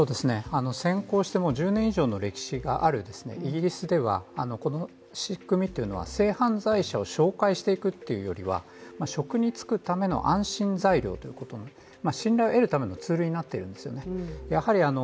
先行して１０年以上の歴史があるイギリスではこの仕組みというのは、性犯罪者を紹介していくというよりは職に就くための安心材料という信頼を得るためのツールになってるんですね。